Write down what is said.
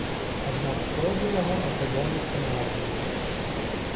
Аднак спробы яго аказаліся марнымі.